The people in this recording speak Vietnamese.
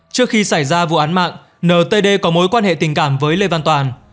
trước khi xảy ra vụ án mạng ntd có mối quan hệ tình cảm với lê văn toàn